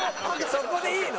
そこでいいの？